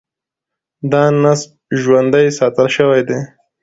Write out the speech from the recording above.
دا نسج ژوندي ساتل شوی دی.